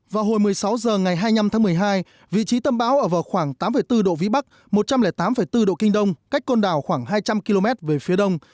vào hồi một mươi sáu h ngày hai mươi năm tháng một mươi hai vị trí tâm bão ở vào khoảng tám bốn độ vĩ bắc một trăm linh tám bốn độ kinh đông cách con đảo khoảng hai trăm linh km về phía đông